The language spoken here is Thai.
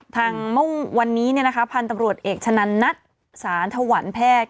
ทางวันนี้เนี่ยนะคะพันธุ์ตำรวจเอกชะนัดสารธวรรณแพทย์